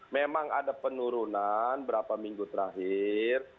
memang ada penurunan berapa minggu terakhir